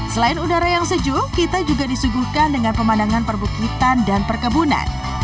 selain udara yang sejuk kita juga disuguhkan dengan pemandangan perbukitan dan perkebunan